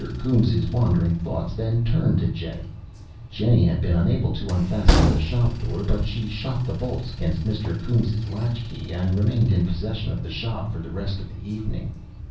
Coombes' wandering thoughts then turned to Jennie. Jennie had been unable to unfasten the shop door, but she shot the bolts against Mr. Coombes' latch key, and remained in possession of the shop for the rest of the evening.